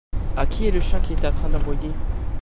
À qui est le chien qui est en train d'aboyer ?